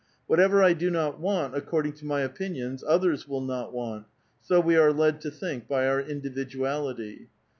Whatever I do not want, '\ according to my opinions, others will not want ; so we are ; led to think by our individuality.